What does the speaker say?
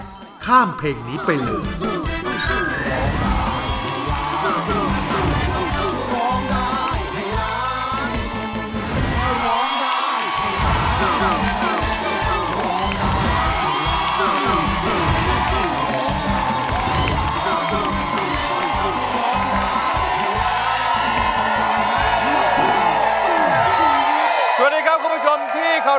รายการต่อไปนี้เป็นรายการทั่วไปสามารถรับชมได้ทุกวัย